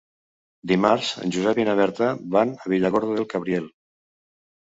Dimarts en Josep i na Berta van a Villargordo del Cabriel.